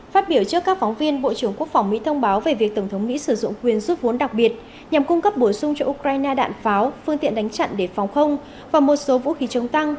phát biểu trước các phóng viên bộ trưởng quốc phòng mỹ thông báo về việc tổng thống mỹ sử dụng quyền giúp vốn đặc biệt nhằm cung cấp bổ sung cho ukraine đạn pháo phương tiện đánh chặn để phòng không và một số vũ khí chống tăng